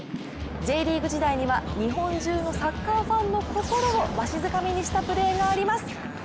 Ｊリーグ時代には、日本中のサッカーファンの心をわしづかみにしたプレーがあります。